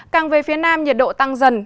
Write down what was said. càng về phía nam nhiệt độ tăng dần